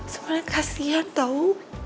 sebenernya kasihan tau